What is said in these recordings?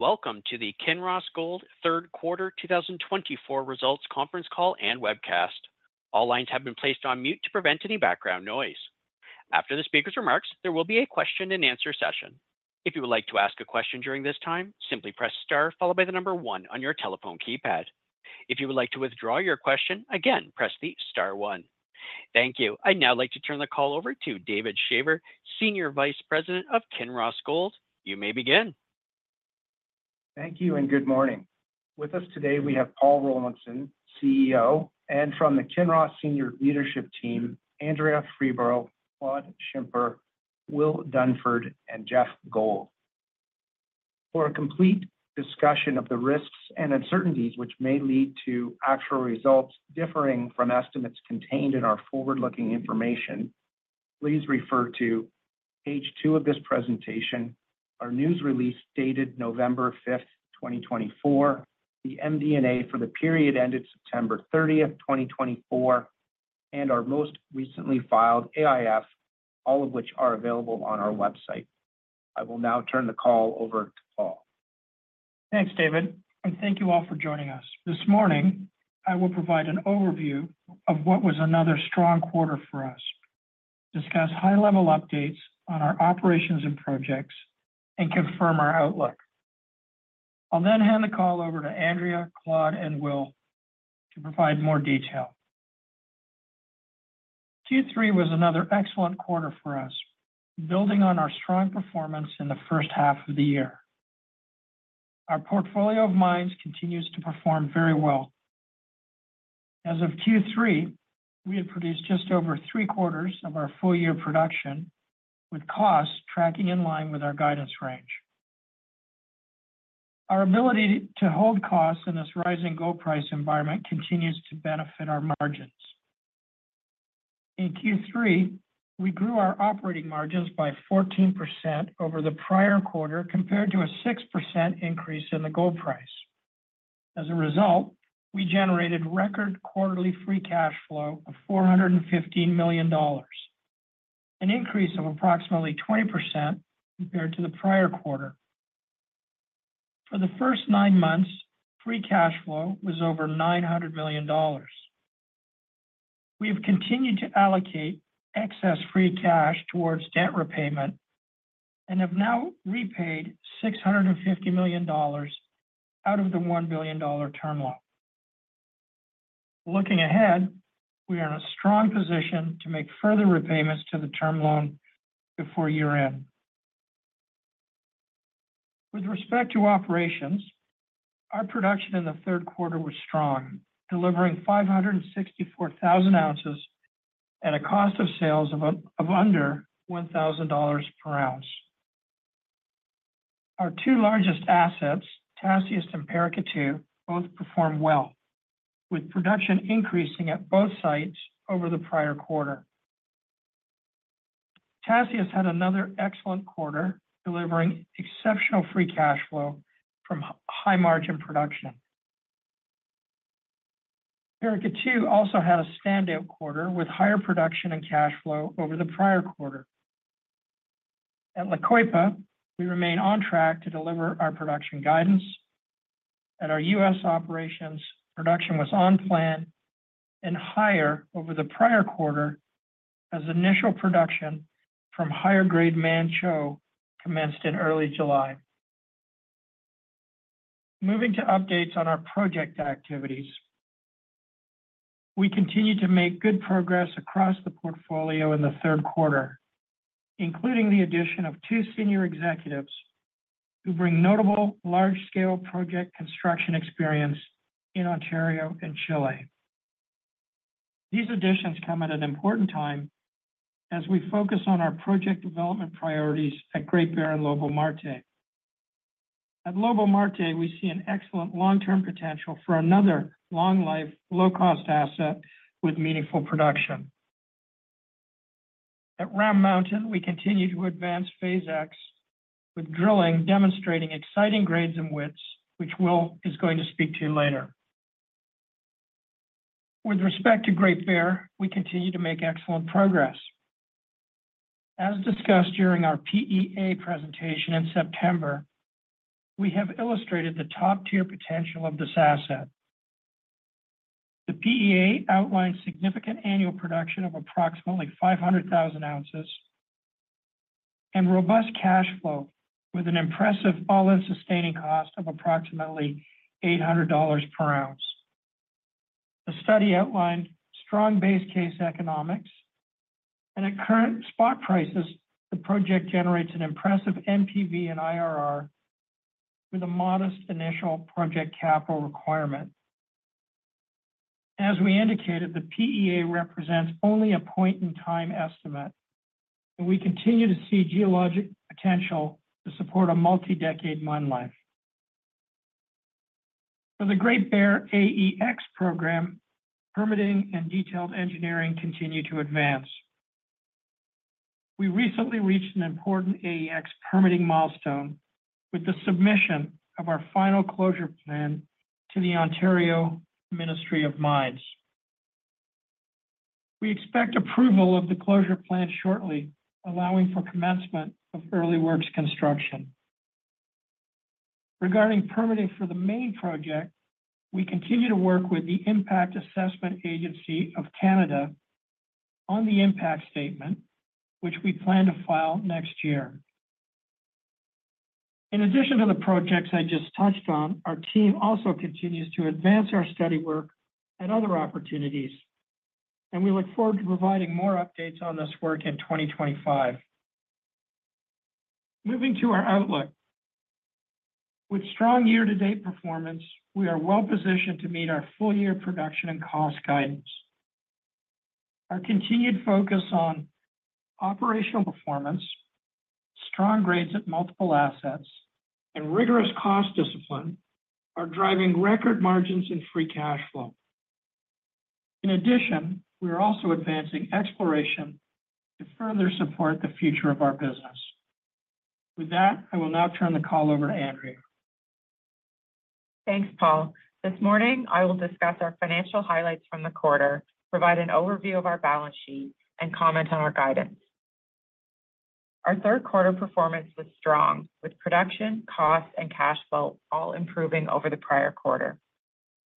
Welcome to the Kinross Gold Third Quarter 2024 Results Conference Call and Webcast. All lines have been placed on mute to prevent any background noise. After the speaker's remarks, there will be a question-and-answer session. If you would like to ask a question during this time, simply press star followed by the number one on your telephone keypad. If you would like to withdraw your question, again, press the star one. Thank you. I'd now like to turn the call over to David Schraeder, Senior Vice President of Kinross Gold. You may begin. Thank you and good morning. With us today, we have Paul Rollinson, CEO, and from the Kinross Senior Leadership Team, Andrea Freeborough, Claude Schimper, Will Dunford, and Geoff Gold. For a complete discussion of the risks and uncertainties which may lead to actual results differing from estimates contained in our forward-looking information, please refer to page two of this presentation, our news release dated November 5th, 2024, the MD&A for the period ended September 30th, 2024, and our most recently filed AIF, all of which are available on our website. I will now turn the call over to Paul. Thanks, David, and thank you all for joining us. This morning, I will provide an overview of what was another strong quarter for us, discuss high-level updates on our operations and projects, and confirm our outlook. I'll then hand the call over to Andrea, Claude, and Will to provide more detail. Q3 was another excellent quarter for us, building on our strong performance in the first half of the year. Our portfolio of mines continues to perform very well. As of Q3, we had produced just over three quarters of our full-year production, with costs tracking in line with our guidance range. Our ability to hold costs in this rising gold price environment continues to benefit our margins. In Q3, we grew our operating margins by 14% over the prior quarter, compared to a 6% increase in the gold price. As a result, we generated record quarterly free cash flow of $415 million, an increase of approximately 20% compared to the prior quarter. For the first nine months, free cash flow was over $900 million. We have continued to allocate excess free cash towards debt repayment and have now repaid $650 million out of the $1 billion term loan. Looking ahead, we are in a strong position to make further repayments to the term loan before year-end. With respect to operations, our production in the third quarter was strong, delivering 564,000 ounces at a cost of sales of under $1,000 per ounce. Our two largest assets, Tasiast and Paracatu, both performed well, with production increasing at both sites over the prior quarter. Tasiast had another excellent quarter, delivering exceptional free cash flow from high-margin production. Paracatu also had a standout quarter with higher production and cash flow over the prior quarter. At La Coipa, we remain on track to deliver our production guidance. At our U.S. operations, production was on plan and higher over the prior quarter as initial production from higher-grade Manh Choh commenced in early July. Moving to updates on our project activities, we continue to make good progress across the portfolio in the third quarter, including the addition of two senior executives who bring notable large-scale project construction experience in Ontario and Chile. These additions come at an important time as we focus on our project development priorities at Great Bear and Lobo Marte. At Lobo Marte, we see an excellent long-term potential for another long-life, low-cost asset with meaningful production. At Round Mountain, we continue to advance Phase X, with drilling demonstrating exciting grades and widths, which Will is going to speak to you later. With respect to Great Bear, we continue to make excellent progress. As discussed during our PEA presentation in September, we have illustrated the top-tier potential of this asset. The PEA outlines significant annual production of approximately 500,000 ounces and robust cash flow with an impressive all-in sustaining cost of approximately $800 per ounce. The study outlined strong base case economics, and at current spot prices, the project generates an impressive NPV and IRR with a modest initial project capital requirement. As we indicated, the PEA represents only a point-in-time estimate, and we continue to see geologic potential to support a multi-decade mine life. For the Great Bear AEX program, permitting and detailed engineering continue to advance. We recently reached an important AEX permitting milestone with the submission of our final closure plan to the Ontario Ministry of Mines. We expect approval of the closure plan shortly, allowing for commencement of early works construction. Regarding permitting for the main project, we continue to work with the Impact Assessment Agency of Canada on the Impact Statement, which we plan to file next year. In addition to the projects I just touched on, our team also continues to advance our study work at other opportunities, and we look forward to providing more updates on this work in 2025. Moving to our outlook, with strong year-to-date performance, we are well-positioned to meet our full-year production and cost guidance. Our continued focus on operational performance, strong grades at multiple assets, and rigorous cost discipline are driving record margins and free cash flow. In addition, we are also advancing exploration to further support the future of our business. With that, I will now turn the call over to Andrea. Thanks, Paul. This morning, I will discuss our financial highlights from the quarter, provide an overview of our balance sheet, and comment on our guidance. Our third quarter performance was strong, with production, cost, and cash flow all improving over the prior quarter.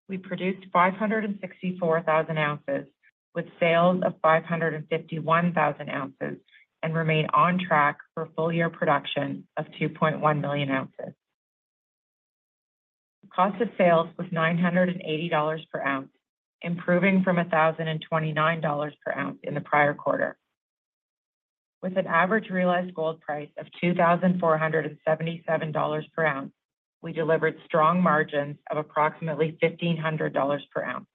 We produced 564,000 ounces, with sales of 551,000 ounces, and remain on track for full-year production of 2.1 million ounces. The cost of sales was $980 per ounce, improving from $1,029 per ounce in the prior quarter. With an average realized gold price of $2,477 per ounce, we delivered strong margins of approximately $1,500 per ounce.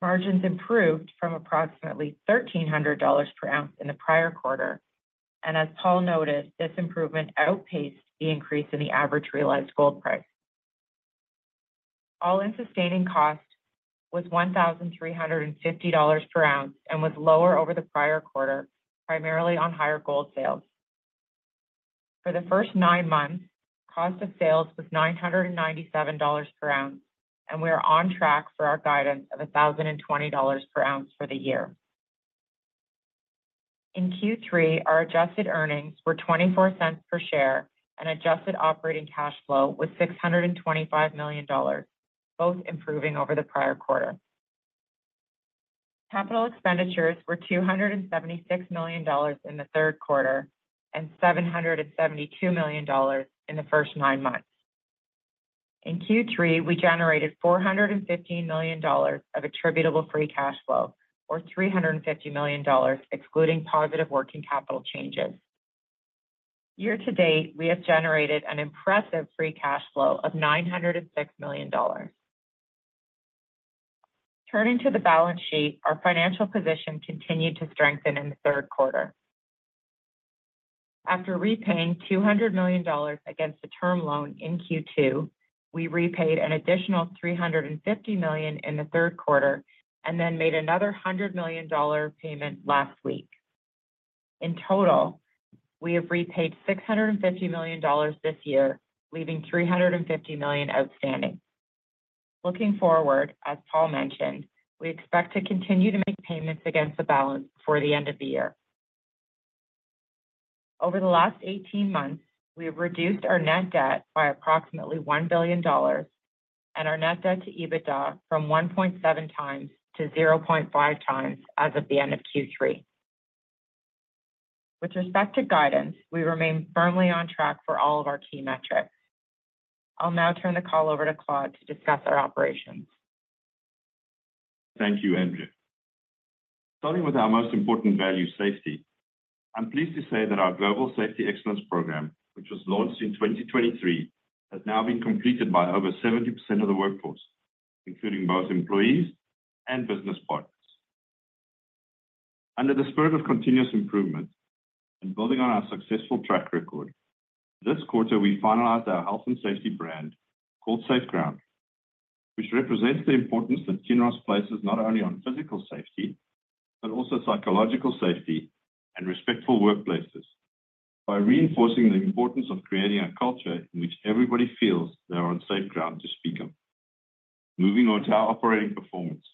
Margins improved from approximately $1,300 per ounce in the prior quarter, and as Paul noted, this improvement outpaced the increase in the average realized gold price. All-in Sustaining Cost was $1,350 per ounce and was lower over the prior quarter, primarily on higher gold sales. For the first nine months, cost of sales was $997 per ounce, and we are on track for our guidance of $1,020 per ounce for the year. In Q3, our adjusted earnings were $0.24 per share, and adjusted operating cash flow was $625 million, both improving over the prior quarter. Capital expenditures were $276 million in the third quarter and $772 million in the first nine months. In Q3, we generated $415 million of attributable free cash flow, or $350 million excluding positive working capital changes. Year-to-date, we have generated an impressive free cash flow of $906 million. Turning to the balance sheet, our financial position continued to strengthen in the third quarter. After repaying $200 million against the term loan in Q2, we repaid an additional $350 million in the third quarter and then made another $100 million payment last week. In total, we have repaid $650 million this year, leaving $350 million outstanding. Looking forward, as Paul mentioned, we expect to continue to make payments against the balance before the end of the year. Over the last 18 months, we have reduced our net debt by approximately $1 billion, and our net debt to EBITDA from 1.7 times to 0.5 times as of the end of Q3. With respect to guidance, we remain firmly on track for all of our key metrics. I'll now turn the call over to Claude to discuss our operations. Thank you, Andrea. Starting with our most important value, safety, I'm pleased to say that our Global Safety Excellence Program, which was launched in 2023, has now been completed by over 70% of the workforce, including both employees and business partners. Under the spirit of continuous improvement and building on our successful track record, this quarter we finalized our health and safety brand called SafeGround, which represents the importance that Kinross places not only on physical safety but also psychological safety and respectful workplaces by reinforcing the importance of creating a culture in which everybody feels they are on safe ground to speak of. Moving on to our operating performance.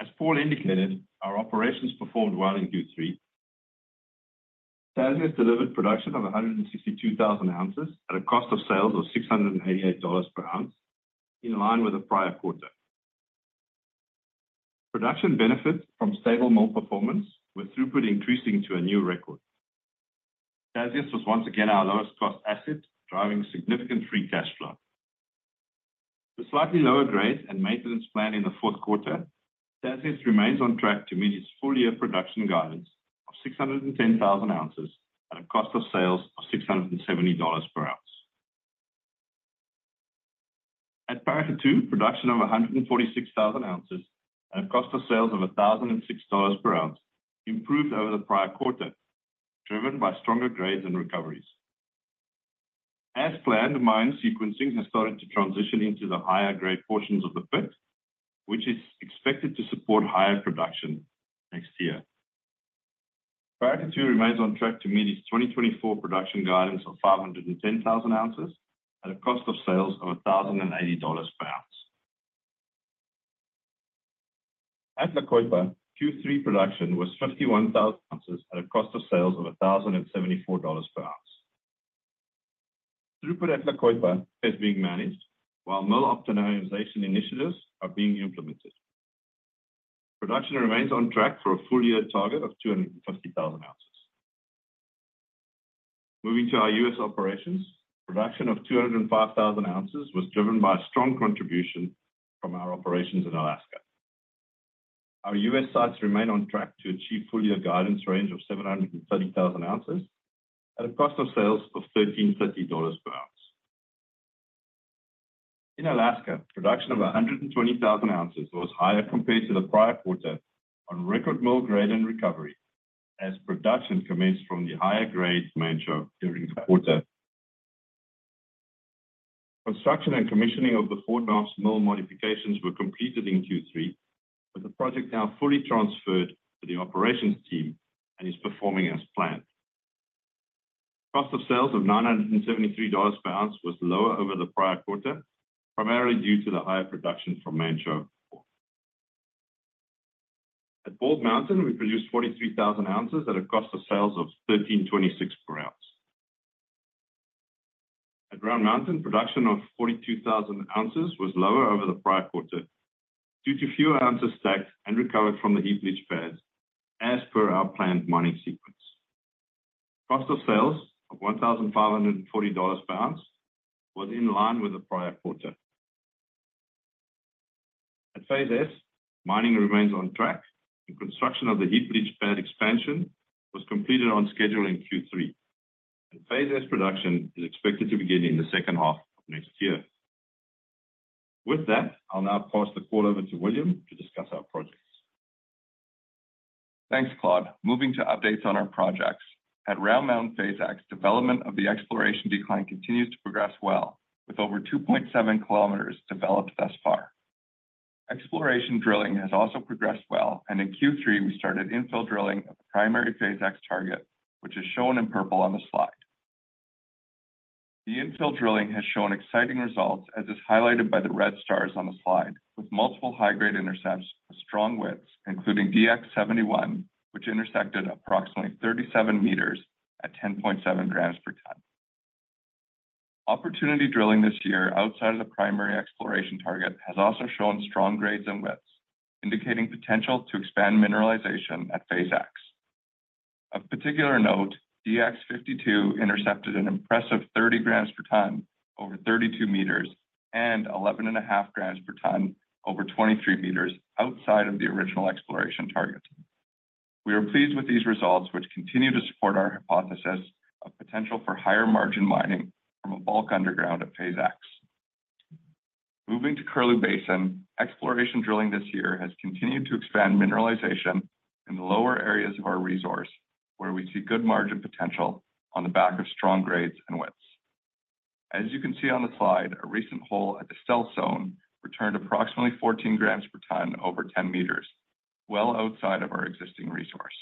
As Paul indicated, our operations performed well in Q3. Tasiast delivered production of 162,000 ounces at a cost of sales of $688 per ounce, in line with the prior quarter. Production benefits from stable mill performance with throughput increasing to a new record. Tasiast was once again our lowest-cost asset, driving significant free cash flow. With slightly lower grades and maintenance planned in the fourth quarter, Tasiast remains on track to meet its full-year production guidance of 610,000 ounces at a cost of sales of $670 per ounce. At Paracatu, production of 146,000 ounces at a cost of sales of $1,006 per ounce improved over the prior quarter, driven by stronger grades and recoveries. As planned, mine sequencing has started to transition into the higher-grade portions of the pit, which is expected to support higher production next year. Paracatu remains on track to meet its 2024 production guidance of 510,000 ounces at a cost of sales of $1,080 per ounce. At La Coipa, Q3 production was 51,000 ounces at a cost of sales of $1,074 per ounce. Throughput at La Coipa is being managed while mill optimization initiatives are being implemented. Production remains on track for a full-year target of 250,000 ounces. Moving to our U.S. operations, production of 205,000 ounces was driven by a strong contribution from our operations in Alaska. Our U.S. sites remain on track to achieve full-year guidance range of 730,000 ounces at a cost of sales of $1,350 per ounce. In Alaska, production of 120,000 ounces was higher compared to the prior quarter on record mill grade and recovery, as production commenced from the higher grade Manh Choh during the quarter. Construction and commissioning of the Fort Knox mill modifications were completed in Q3, with the project now fully transferred to the operations team and is performing as planned. Cost of sales of $973 per ounce was lower over the prior quarter, primarily due to the higher production from Manh Choh. At Bald Mountain, we produced 43,000 ounces at a cost of sales of $1,326 per ounce. At Round Mountain, production of 42,000 ounces was lower over the prior quarter due to fewer ounces stacked and recovered from the heap leach pads, as per our planned mining sequence. Cost of sales of $1,540 per ounce was in line with the prior quarter. At Phase S, mining remains on track, and construction of the heap leach pad expansion was completed on schedule in Q3. Phase S production is expected to begin in the second half of next year. With that, I'll now pass the call over to William to discuss our projects. Thanks, Claude. Moving to updates on our projects. At Round Mountain, Phase X, development of the exploration decline continues to progress well, with over 2.7 kilometers developed thus far. Exploration drilling has also progressed well, and in Q3, we started infill drilling of the primary Phase X target, which is shown in purple on the slide. The infill drilling has shown exciting results, as is highlighted by the red stars on the slide, with multiple high-grade intercepts of strong widths, including DX71, which intersected approximately 37 meters at 10.7 grams per ton. Opportunity drilling this year outside of the primary exploration target has also shown strong grades and widths, indicating potential to expand mineralization at Phase X. Of particular note, DX52 intercepted an impressive 30 grams per ton over 32 meters and 11.5 grams per ton over 23 meters outside of the original exploration target. We are pleased with these results, which continue to support our hypothesis of potential for higher margin mining from a bulk underground at Phase X. Moving to Curlew Basin, exploration drilling this year has continued to expand mineralization in the lower areas of our resource, where we see good margin potential on the back of strong grades and widths. As you can see on the slide, a recent hole at the Stealth returned approximately 14 grams per ton over 10 meters, well outside of our existing resource.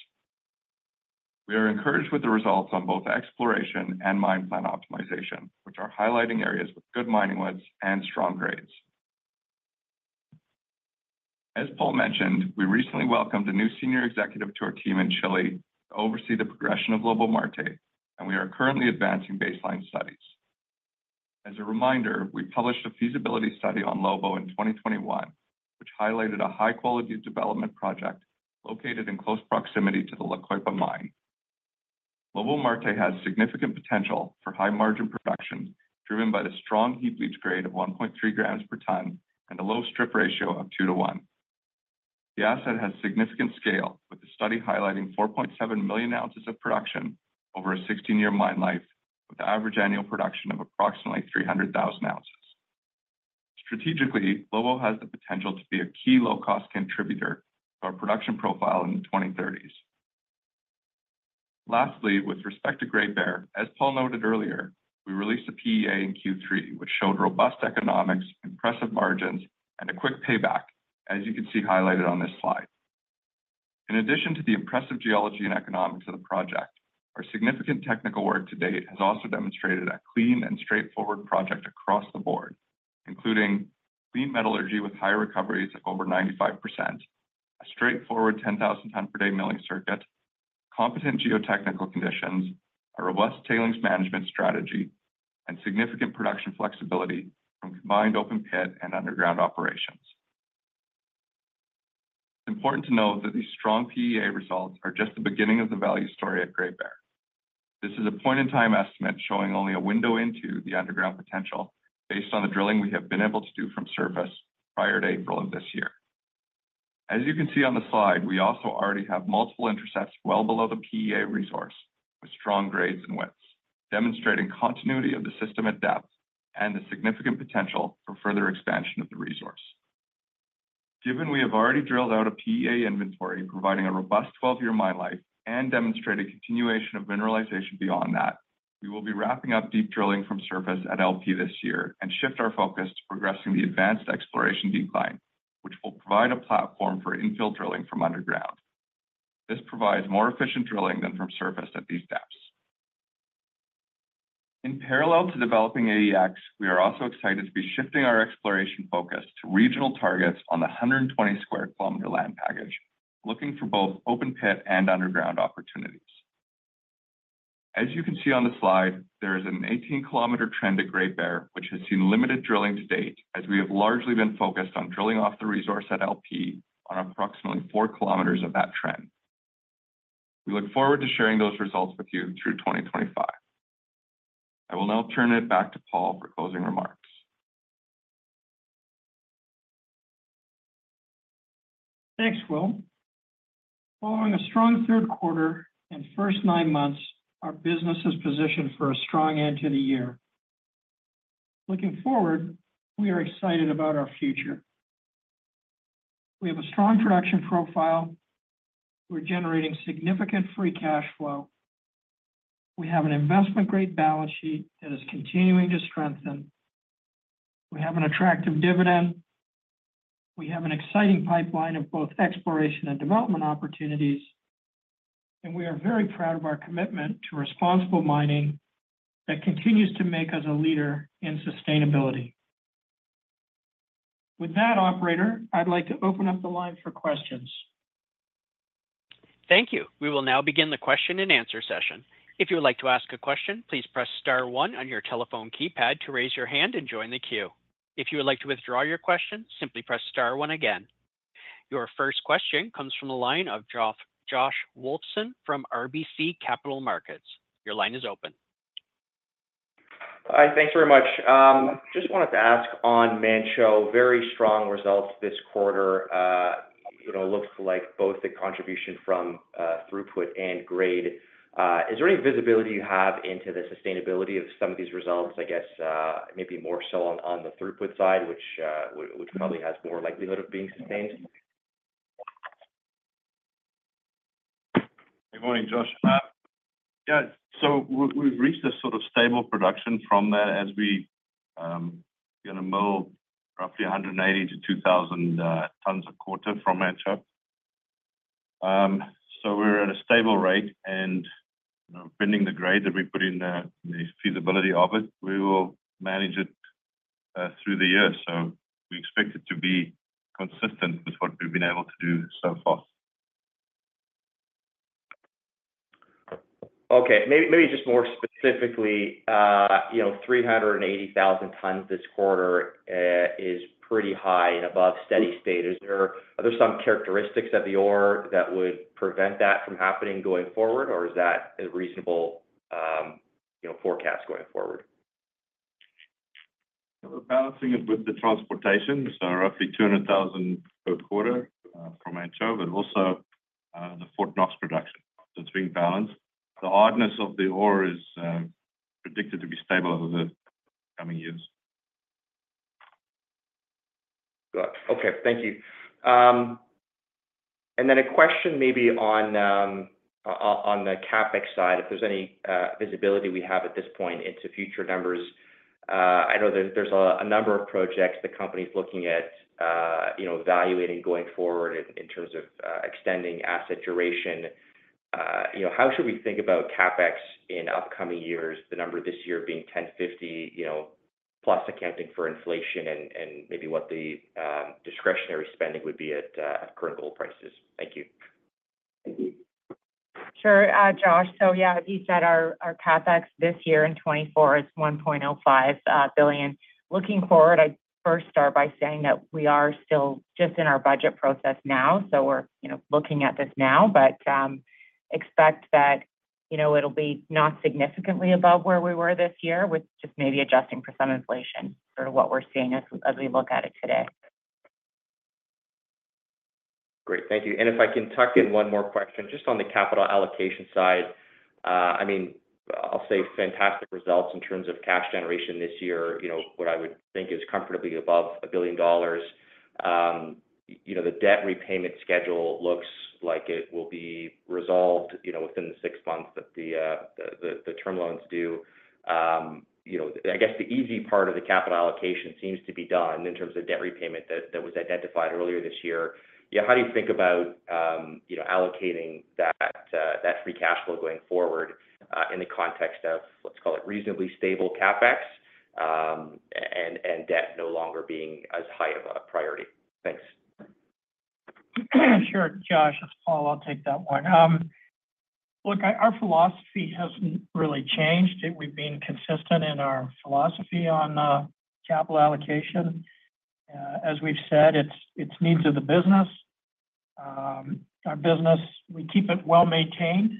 We are encouraged with the results on both exploration and mine plan optimization, which are highlighting areas with good mining widths and strong grades. As Paul mentioned, we recently welcomed a new senior executive to our team in Chile to oversee the progression of Lobo Marte, and we are currently advancing baseline studies. As a reminder, we published a feasibility study on Lobo Marte in 2021, which highlighted a high-quality development project located in close proximity to the La Coipa mine. Lobo Marte has significant potential for high margin production, driven by the strong heap leach grade of 1.3 grams per ton and a low strip ratio of 2:1. The asset has significant scale, with the study highlighting 4.7 million ounces of production over a 16-year mine life, with the average annual production of approximately 300,000 ounces. Strategically, Lobo Marte has the potential to be a key low-cost contributor to our production profile in the 2030s. Lastly, with respect to Great Bear, as Paul noted earlier, we released a PEA in Q3, which showed robust economics, impressive margins, and a quick payback, as you can see highlighted on this slide. In addition to the impressive geology and economics of the project, our significant technical work to date has also demonstrated a clean and straightforward project across the board, including clean metallurgy with high recoveries of over 95%, a straightforward 10,000 ton-per-day milling circuit, competent geotechnical conditions, a robust tailings management strategy, and significant production flexibility from combined open pit and underground operations. It's important to note that these strong PEA results are just the beginning of the value story at Great Bear. This is a point-in-time estimate showing only a window into the underground potential based on the drilling we have been able to do from surface prior to April of this year. As you can see on the slide, we also already have multiple intercepts well below the PEA resource with strong grades and widths, demonstrating continuity of the system at depth and the significant potential for further expansion of the resource. Given we have already drilled out a PEA inventory providing a robust 12-year mine life and demonstrated continuation of mineralization beyond that, we will be wrapping up deep drilling from surface at LP this year and shift our focus to progressing the advanced exploration decline, which will provide a platform for infill drilling from underground. This provides more efficient drilling than from surface at these depths. In parallel to developing AEX, we are also excited to be shifting our exploration focus to regional targets on the 120-square-kilometer land package, looking for both open pit and underground opportunities. As you can see on the slide, there is an 18-kilometer trend of Great Bear, which has seen limited drilling to date, as we have largely been focused on drilling off the resource at LP on approximately four kilometers of that trend. We look forward to sharing those results with you through 2025. I will now turn it back to Paul for closing remarks. Thanks, Will. Following a strong third quarter and first nine months, our business is positioned for a strong end to the year. Looking forward, we are excited about our future. We have a strong production profile. We're generating significant free cash flow. We have an investment-grade balance sheet that is continuing to strengthen. We have an attractive dividend. We have an exciting pipeline of both exploration and development opportunities. And we are very proud of our commitment to responsible mining that continues to make us a leader in sustainability. With that, Operator, I'd like to open up the line for questions. Thank you. We will now begin the question-and-answer session. If you would like to ask a question, please press star 1 on your telephone keypad to raise your hand and join the queue. If you would like to withdraw your question, simply press star 1 again. Your first question comes from the line of Josh Wolfson from RBC Capital Markets. Your line is open. Hi, thanks very much. Just wanted to ask on Manh Choh, very strong results this quarter. It looks like both the contribution from throughput and grade. Is there any visibility you have into the sustainability of some of these results? I guess maybe more so on the throughput side, which probably has more likelihood of being sustained. Good morning, Josh. Yeah, so we've reached a sort of stable production from that as we're going to mill roughly 180-2,000 tons a quarter from Manh Choh. So we're at a stable rate, and depending on the grade that we put in, the feasibility of it, we will manage it through the year. So we expect it to be consistent with what we've been able to do so far. Okay. Maybe just more specifically, 380,000 tons this quarter is pretty high and above steady state. Are there some characteristics of the ore that would prevent that from happening going forward, or is that a reasonable forecast going forward? We're balancing it with the transportation, so roughly 200,000 per quarter from Manh Choh, but also the Fort Knox production. So it's being balanced. The hardness of the ore is predicted to be stable over the coming years. Got it. Okay. Thank you. And then a question maybe on the CapEx side, if there's any visibility we have at this point into future numbers. I know there's a number of projects the company's looking at evaluating going forward in terms of extending asset duration. How should we think about CapEx in upcoming years, the number this year being 1,050 plus accounting for inflation and maybe what the discretionary spending would be at current gold prices? Thank you. Thank you. Sure, Josh. So yeah, as you said, our CapEx this year in 2024 is $1.05 billion. Looking forward, I'd first start by saying that we are still just in our budget process now, so we're looking at this now, but expect that it'll be not significantly above where we were this year, with just maybe adjusting for some inflation for what we're seeing as we look at it today. Great. Thank you, and if I can tuck in one more question, just on the capital allocation side. I mean, I'll say fantastic results in terms of cash generation this year, what I would think is comfortably above $1 billion. The debt repayment schedule looks like it will be resolved within the six months that the term loans do. I guess the easy part of the capital allocation seems to be done in terms of debt repayment that was identified earlier this year. Yeah, how do you think about allocating that free cash flow going forward in the context of, let's call it, reasonably stable CapEx and debt no longer being as high of a priority? Thanks. Sure, Josh. Paul, I'll take that one. Look, our philosophy hasn't really changed. We've been consistent in our philosophy on capital allocation. As we've said, it's needs of the business. Our business, we keep it well maintained.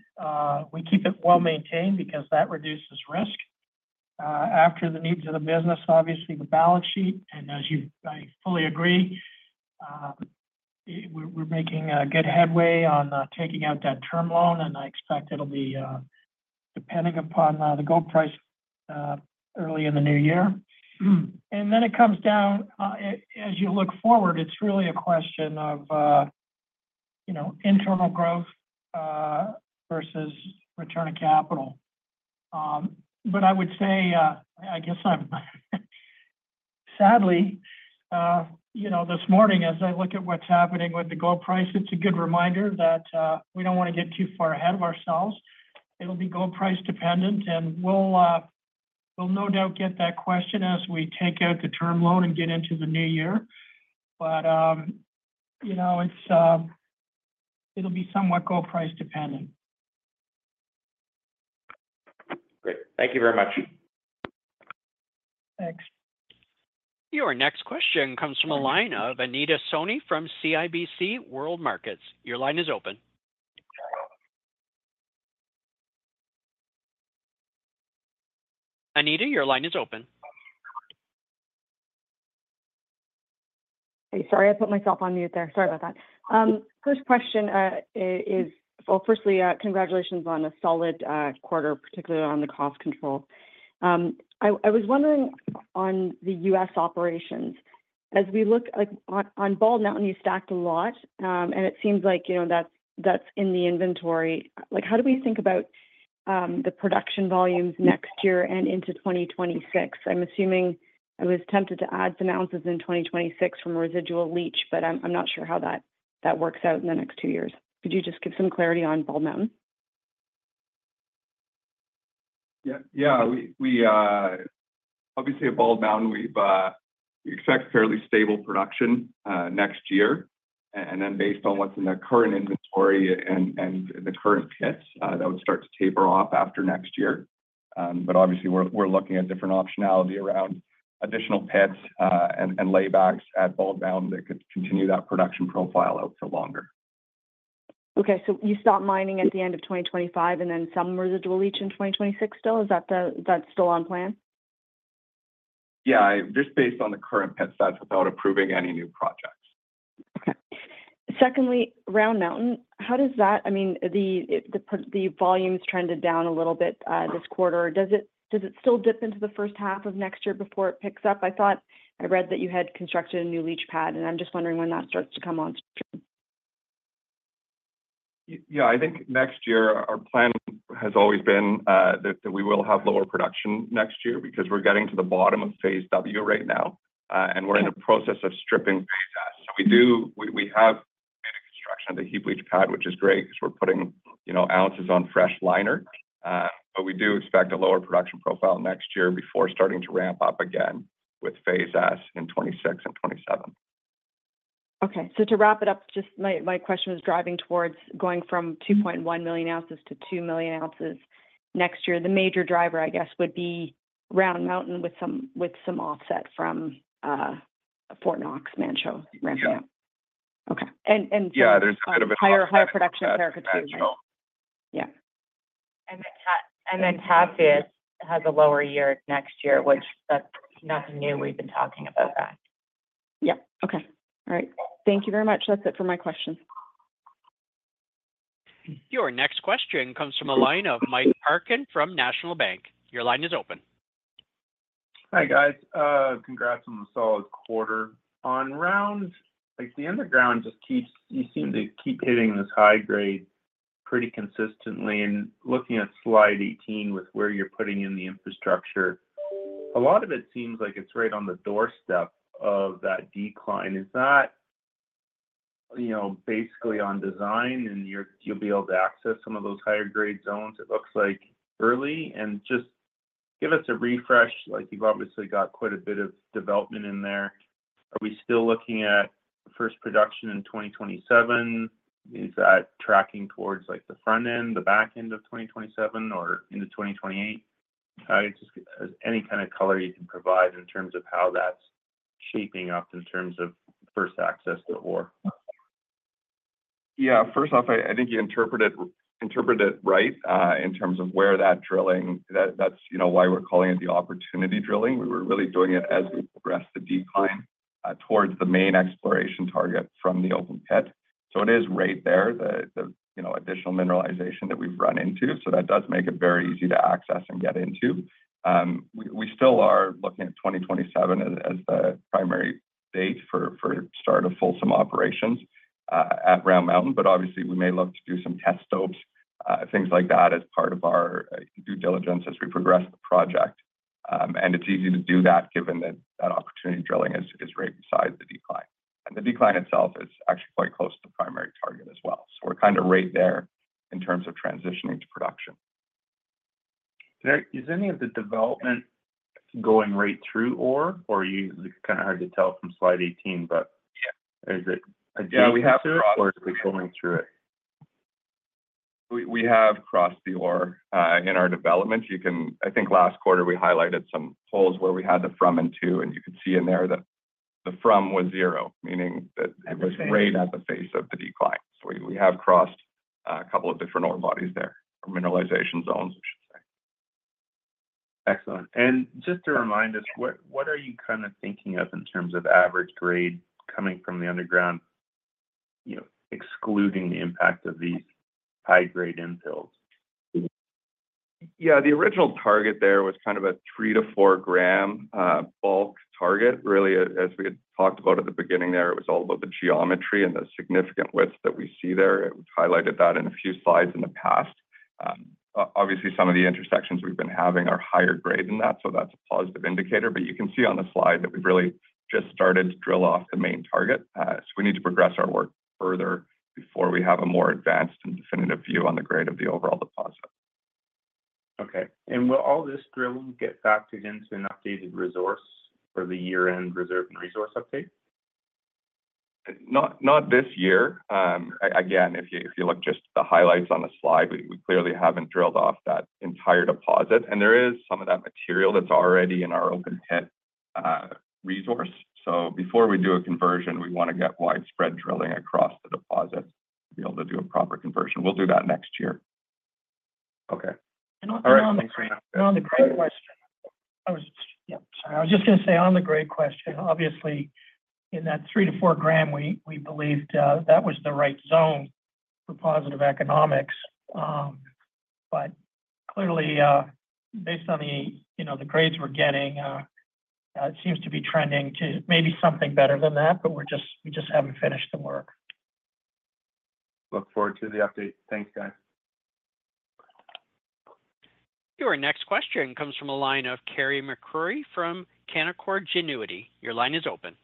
We keep it well maintained because that reduces risk. After the needs of the business, obviously, the balance sheet. And as you fully agree, we're making a good headway on taking out that term loan, and I expect it'll be depending upon the gold price early in the new year. And then it comes down, as you look forward, it's really a question of internal growth versus return to capital. But I would say, I guess I'm sadly, this morning, as I look at what's happening with the gold price, it's a good reminder that we don't want to get too far ahead of ourselves. It'll be gold price dependent, and we'll no doubt get that question as we take out the term loan and get into the new year. But it'll be somewhat gold price dependent. Great. Thank you very much. Thanks. Your next question comes from analyst Anita Soni from CIBC World Markets. Your line is open. Anita, your line is open. Hey, sorry, I put myself on mute there. Sorry about that. First question is, well, firstly, congratulations on a solid quarter, particularly on the cost control. I was wondering on the U.S. operations, as we look on Bald Mountain, you stacked a lot, and it seems like that's in the inventory. How do we think about the production volumes next year and into 2026? I'm assuming I was tempted to add some ounces in 2026 from residual leach, but I'm not sure how that works out in the next two years. Could you just give some clarity on Bald Mountain? Yeah. Obviously, at Bald Mountain, we expect fairly stable production next year. Then based on what's in the current inventory and the current pits, that would start to taper off after next year. Obviously, we're looking at different optionality around additional pits and lay backs at Bald Mountain that could continue that production profile out for longer. Okay, so you stop mining at the end of 2025, and then some residual leach in 2026 still? Is that still on plan? Yeah. Just based on the current pits, that's without approving any new projects. Okay. Secondly, Round Mountain, how does that, I mean, the volumes trended down a little bit this quarter. Does it still dip into the first half of next year before it picks up? I thought I read that you had constructed a new leach pad, and I'm just wondering when that starts to come on stream. Yeah. I think next year, our plan has always been that we will have lower production next year because we're getting to the bottom of Phase W right now, and we're in the process of stripping Phase S. So we have made a construction of the heap leach pad, which is great because we're putting ounces on fresh liner. But we do expect a lower production profile next year before starting to ramp up again with Phase S in 2026 and 2027. Okay. So to wrap it up, just my question was driving towards going from 2.1 million ounces to 2 million ounces next year. The major driver, I guess, would be Round Mountain with some offset from Fort Knox, Manh Choh, ramping up. Yeah. Okay. And so. Yeah. There's kind of a higher production. Higher production of Paracatu's. Yeah. And then CapEx has a lower year next year, which that's nothing new. We've been talking about that. Yep. Okay. All right. Thank you very much. That's it for my questions. Your next question comes from the line of Mike Parkin from National Bank. Your line is open. Hi, guys. Congrats on the solid quarter. On Round, the underground just keeps - you seem to keep hitting this high grade pretty consistently. And looking at slide 18 with where you're putting in the infrastructure, a lot of it seems like it's right on the doorstep of that decline. Is that basically on design, and you'll be able to access some of those higher grade zones, it looks like, early? And just give us a refresh. You've obviously got quite a bit of development in there. Are we still looking at first production in 2027? Is that tracking towards the front end, the back end of 2027, or into 2028? Just any kind of color you can provide in terms of how that's shaping up in terms of first access toore. Yeah. First off, I think you interpreted it right in terms of where that drilling. That's why we're calling it the opportunity drilling. We were really doing it as we progressed the decline towards the main exploration target from the open pit. So it is right there, the additional mineralization that we've run into. So that does make it very easy to access and get into. We still are looking at 2027 as the primary date for start of full operations at Round Mountain. But obviously, we may look to do some test stopes, things like that, as part of our due diligence as we progress the project. And it's easy to do that given that that opportunity drilling is right beside the decline. And the decline itself is actually quite close to the primary target as well. So we're kind of right there in terms of transitioning to production. Is any of the development going right through ore? Or it's kind of hard to tell from slide 18, but is it a decline or is it going through it? We have crossed the ore in our development. I think last quarter, we highlighted some holes where we had the from and to, and you could see in there that the from was zero, meaning that it was right at the face of the decline. So we have crossed a couple of different ore bodies there, or mineralization zones, I should say. Excellent. And just to remind us, what are you kind of thinking of in terms of average grade coming from the underground, excluding the impact of these high-grade infills? Yeah. The original target there was kind of a three- to four-gram bulk target. Really, as we had talked about at the beginning there, it was all about the geometry and the significant width that we see there. I highlighted that in a few slides in the past. Obviously, some of the intersections we've been having are higher grade than that, so that's a positive indicator. But you can see on the slide that we've really just started to drill off the main target. So we need to progress our work further before we have a more advanced and definitive view on the grade of the overall deposit. Okay. And will all this drilling get factored into an updated resource for the year-end reserve and resource update? Not this year. Again, if you look just at the highlights on the slide, we clearly haven't drilled off that entire deposit. And there is some of that material that's already in our open pit resource. So before we do a conversion, we want to get widespread drilling across the deposit to be able to do a proper conversion. We'll do that next year. Okay. All right. Thanks, Will. On the grade question. Yep. Sorry. I was just going to say on the grade question, obviously, in that three-to-four-gram, we believed that was the right zone for positive economics. But clearly, based on the grades we're getting, it seems to be trending to maybe something better than that, but we just haven't finished the work. Look forward to the update. Thanks, guys. Your next question comes from Carey MacRury from Canaccord Genuity. Your line is open.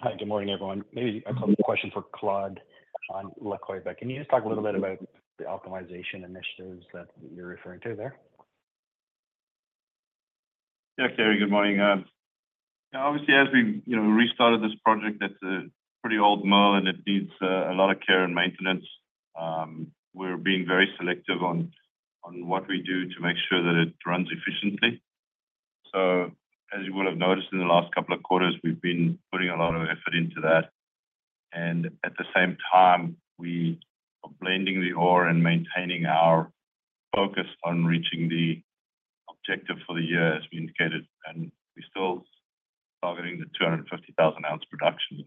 Hi. Good morning, everyone. Maybe I'll take a question for Claude on La Coipa. Can you just talk a little bit about the optimization initiatives that you're referring to there? Yeah. Carey, good morning. Obviously, as we restarted this project, it's a pretty old mill, and it needs a lot of care and maintenance. We're being very selective on what we do to make sure that it runs efficiently. So as you would have noticed in the last couple of quarters, we've been putting a lot of effort into that. And at the same time, we are blending the ore and maintaining our focus on reaching the objective for the year, as we indicated. And we're still targeting the 250,000-ounce production.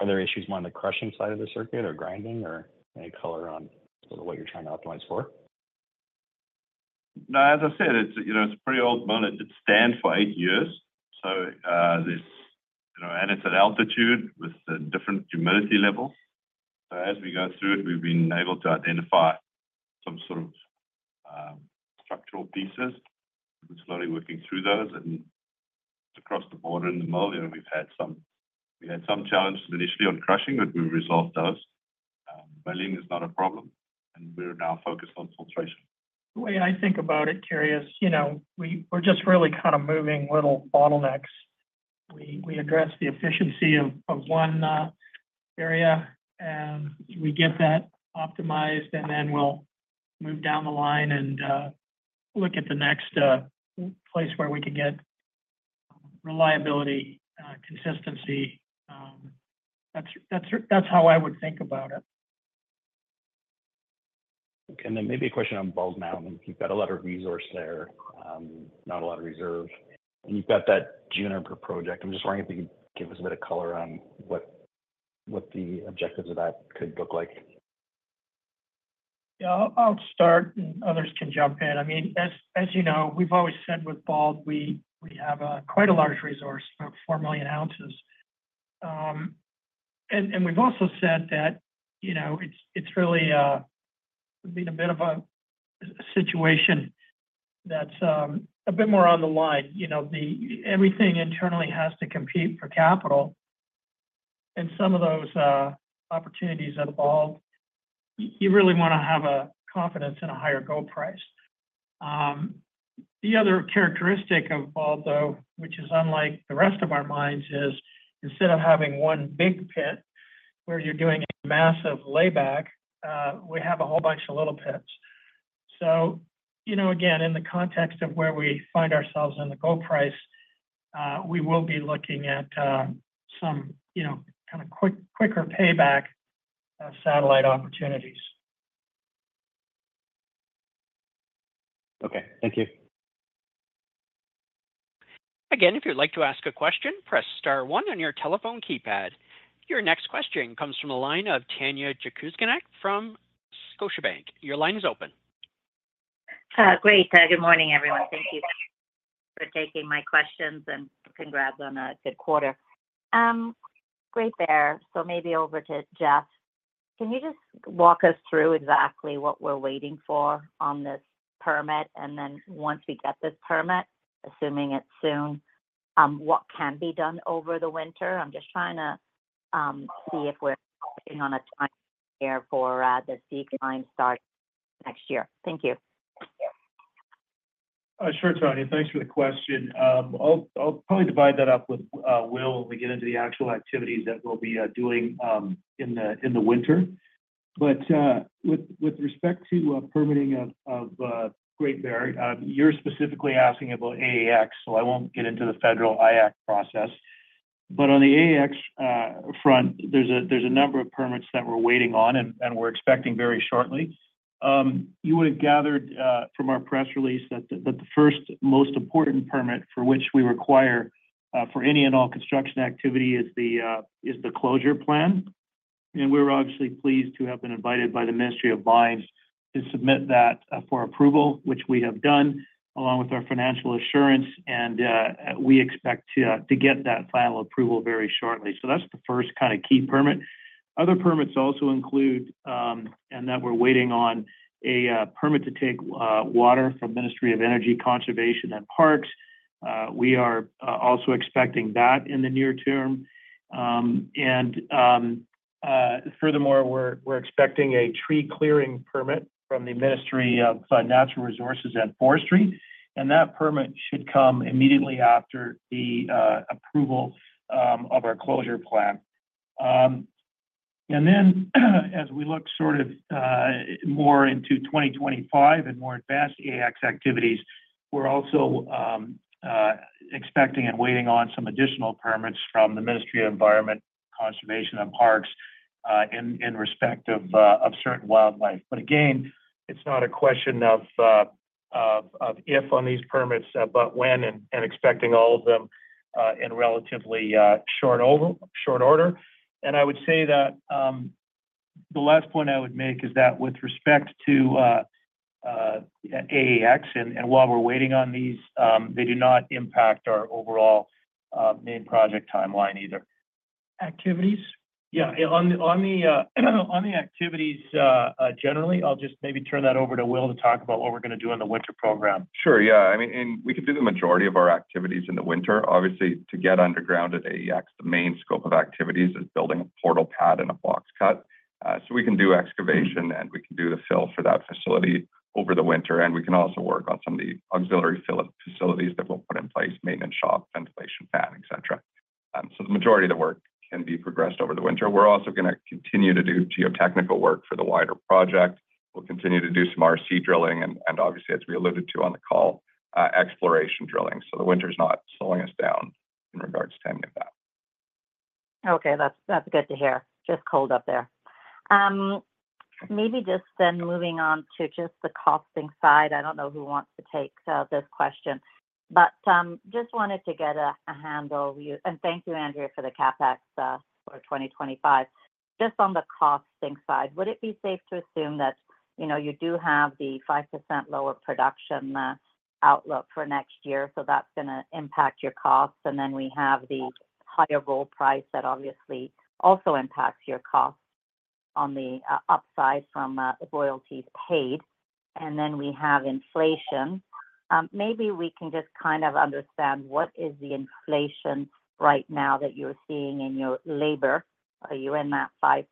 Are there issues on the crushing side of the circuit or grinding or any color on sort of what you're trying to optimize for? No. As I said, it's a pretty old mill. It's stood for eight years, and it's at altitude with different humidity levels, so as we go through it, we've been able to identify some sort of structural pieces. We're slowly working through those, and across the board in the mill, we've had some challenges initially on crushing, but we've resolved those. Milling is not a problem, and we're now focused on filtration. The way I think about it, Carey, is we're just really kind of moving little bottlenecks. We address the efficiency of one area, and we get that optimized, and then we'll move down the line and look at the next place where we can get reliability, consistency. That's how I would think about it. And then maybe a question on Bald Mountain. You've got a lot of resource there, not a lot of reserve. And you've got that Juniper project. I'm just wondering if you could give us a bit of color on what the objectives of that could look like? Yeah. I'll start, and others can jump in. I mean, as you know, we've always said with Bald, we have quite a large resource of four million ounces. And we've also said that it's really been a bit of a situation that's a bit more on the line. Everything internally has to compete for capital. And some of those opportunities involved, you really want to have confidence in a higher gold price. The other characteristic of Bald, though, which is unlike the rest of our mines, is instead of having one big pit where you're doing a massive lay back, we have a whole bunch of little pits. So again, in the context of where we find ourselves in the gold price, we will be looking at some kind of quicker payback satellite opportunities. Okay. Thank you. Again, if you'd like to ask a question, press star one on your telephone keypad. Your next question comes from the line of Tanya Jakusconek from Scotiabank. Your line is open. Great. Good morning, everyone. Thank you for taking my questions. And congrats on a good quarter. Great there. So maybe over to Geoff. Can you just walk us through exactly what we're waiting for on this permit? And then once we get this permit, assuming it's soon, what can be done over the winter? I'm just trying to see if we're getting on a time here for the decline start next year. Thank you. Sure, Tanya. Thanks for the question. I'll probably divide that up with Will when we get into the actual activities that we'll be doing in the winter. But with respect to permitting of Great Bear, you're specifically asking about AEX, so I won't get into the federal IAAC process. But on the AEX front, there's a number of permits that we're waiting on, and we're expecting very shortly. You would have gathered from our press release that the first most important permit for which we require for any and all construction activity is the closure plan. And we're obviously pleased to have been invited by the Ministry of Mines to submit that for approval, which we have done, along with our financial assurance. And we expect to get that final approval very shortly. So that's the first kind of key permit. Other permits also include and that we're waiting on a permit to take water from the Ministry of Energy, Conservation, and Parks. We are also expecting that in the near term, and furthermore, we're expecting a tree clearing permit from the Ministry of Natural Resources and Forestry, and that permit should come immediately after the approval of our closure plan, and then as we look sort of more into 2025 and more advanced AEX activities, we're also expecting and waiting on some additional permits from the Ministry of Environment, Conservation, and Parks in respect of certain wildlife, but again, it's not a question of if on these permits, but when and expecting all of them in relatively short order. I would say that the last point I would make is that with respect to AEX, and while we're waiting on these, they do not impact our overall main project timeline either. Activities? Yeah. On the activities generally, I'll just maybe turn that over to Will to talk about what we're going to do in the winter program. Sure. Yeah. I mean, we can do the majority of our activities in the winter. Obviously, to get underground at AEX, the main scope of activities is building a portal pad and a box cut, so we can do excavation, and we can do the fill for that facility over the winter, and we can also work on some of the auxiliary facilities that we'll put in place: maintenance shop, ventilation fan, etc. So the majority of the work can be progressed over the winter. We're also going to continue to do geotechnical work for the wider project. We'll continue to do some RC drilling, and obviously, as we alluded to on the call, exploration drilling, so the winter is not slowing us down in regards to any of that. Okay. That's good to hear. Just cold up there. Maybe just then moving on to just the costing side. I don't know who wants to take this question, but just wanted to get a handle. And thank you, Andrea, for the CapEx for 2025. Just on the costing side, would it be safe to assume that you do have the 5% lower production outlook for next year? So that's going to impact your costs. And then we have the higher gold price that obviously also impacts your costs on the upside from royalties paid. And then we have inflation. Maybe we can just kind of understand what is the inflation right now that you're seeing in your labor. Are you in that 5%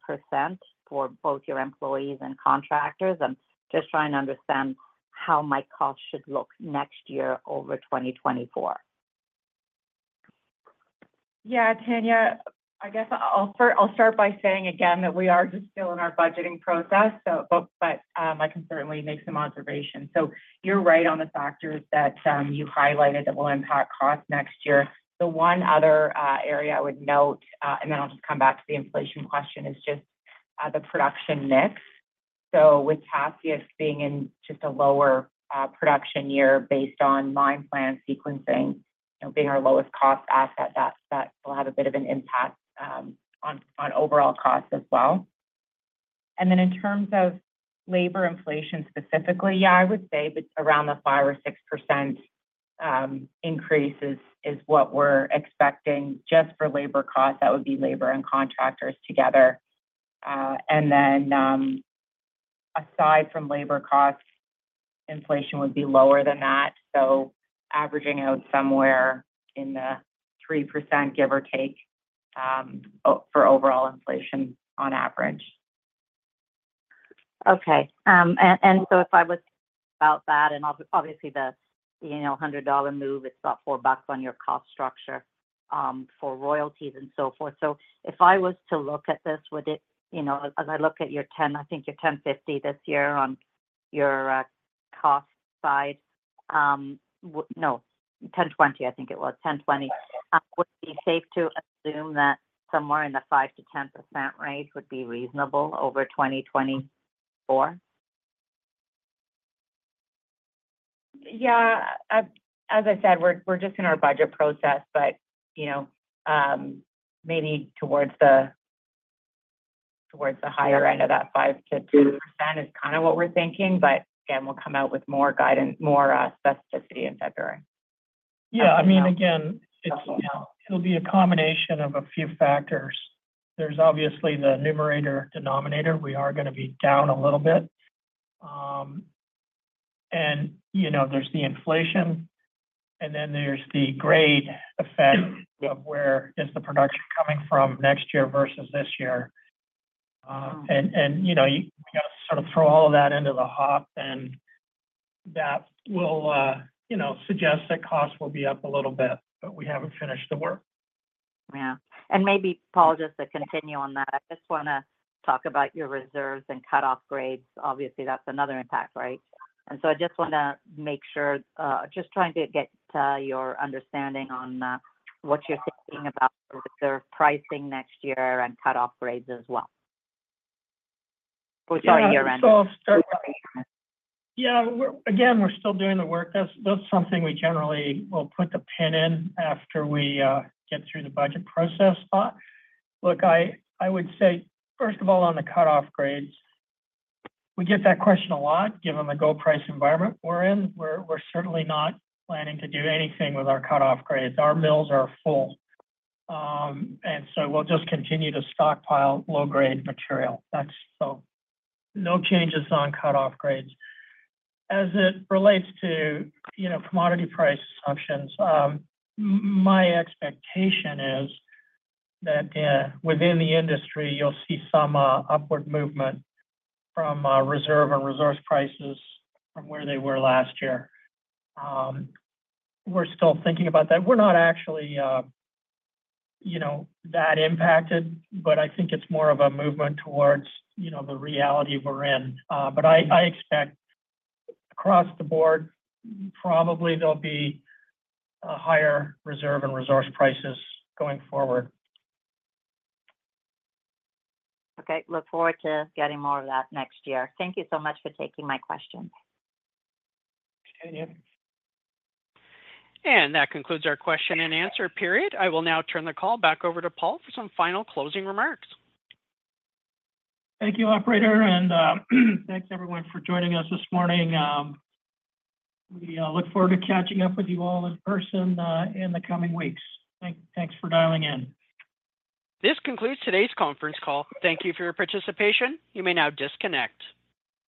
for both your employees and contractors? I'm just trying to understand how my costs should look next year over 2024. Yeah. Tanya, I guess I'll start by saying again that we are just still in our budgeting process, but I can certainly make some observations. You're right on the factors that you highlighted that will impact costs next year. The one other area I would note, and then I'll just come back to the inflation question, is just the production mix. With Tasiast being in just a lower production year based on mine plan sequencing, being our lowest cost asset, that will have a bit of an impact on overall costs as well. In terms of labor inflation specifically, yeah, I would say around the five or six% increase is what we're expecting just for labor costs. That would be labor and contractors together. Aside from labor costs, inflation would be lower than that. Averaging out somewhere in the 3%, give or take, for overall inflation on average. Okay. And so if I was about that, and obviously the $100 move, it's about four bucks on your cost structure for royalties and so forth. So if I was to look at this, would it, as I look at your $10, I think you're $10.50 this year on your cost side. No, $10.20, I think it was. $10.20. Would it be safe to assume that somewhere in the 5%-10% range would be reasonable over 2024? Yeah. As I said, we're just in our budget process, but maybe towards the higher end of that 5%-10% is kind of what we're thinking. But again, we'll come out with more specificity in February. Yeah. I mean, again, it'll be a combination of a few factors. There's obviously the numerator denominator. We are going to be down a little bit, and there's the inflation, and then there's the grade effect of where is the production coming from next year versus this year. And we got to sort of throw all of that into the pot, and that will suggest that costs will be up a little bit, but we haven't finished the work. Yeah. And maybe, Paul, just to continue on that, I just want to talk about your reserves and cut-off grades. Obviously, that's another impact, right? And so I just want to make sure, just trying to get your understanding on what you're thinking about with the pricing next year and cut-off grades as well. Or sorry, year-end. Yeah. Again, we're still doing the work. That's something we generally will put the pin in after we get through the budget process, though. Look, I would say, first of all, on the cut-off grades, we get that question a lot, given the gold price environment we're in. We're certainly not planning to do anything with our cut-off grades. Our mills are full. And so we'll just continue to stockpile low-grade material. So no changes on cut-off grades. As it relates to commodity price assumptions, my expectation is that within the industry, you'll see some upward movement from reserve and resource prices from where they were last year. We're still thinking about that. We're not actually that impacted, but I think it's more of a movement towards the reality we're in. But I expect across the board, probably there'll be a higher reserve and resource prices going forward. Okay. Look forward to getting more of that next year. Thank you so much for taking my questions. That concludes our question and answer period. I will now turn the call back over to Paul for some final closing remarks. Thank you, operator. And thanks, everyone, for joining us this morning. We look forward to catching up with you all in person in the coming weeks. Thanks for dialing in. This concludes today's conference call. Thank you for your participation. You may now disconnect.